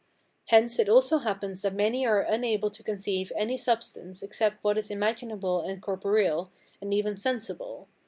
Hence it also happens that many are unable to conceive any substance except what is imaginable and corporeal, and even sensible.